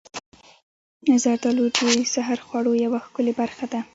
زردالو د سحر خوړو یوه ښکلې برخه ده.